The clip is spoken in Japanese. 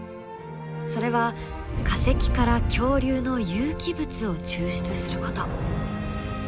それは化石から恐竜の有機物を抽出すること。